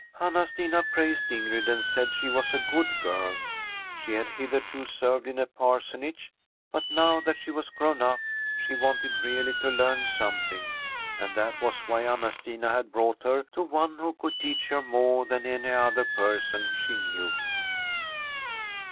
Anna Stina praised Ingrid, and said she was a good girl. She had hitherto served in a parson age, but now that she was grown up she wanted really to learn something, and that was why Anna Stina had brought her to one who could teach her more than any other person she knew.